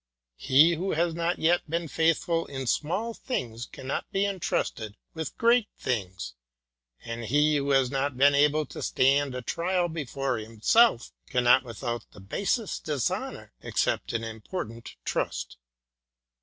He who has not yet been faithful in small things cannot be entrusted with great things; and he who has not been able to stand a trial before himself cannot without the basest dishonour accept an important trust.